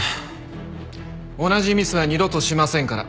同じミスは二度としませんから。